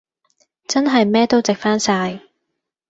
真係咩都值返曬